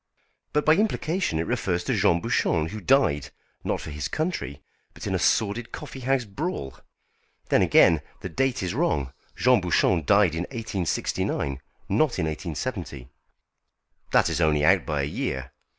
"But by implication it refers to Jean Bouchon, who died, not for his country, but in a sordid coffee house brawl. Then, again, the date is wrong. Jean Bouchon died in 1869, not in 1870." "That is only out by a year."